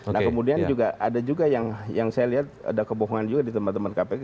nah kemudian juga ada juga yang saya lihat ada kebohongan juga di teman teman kpk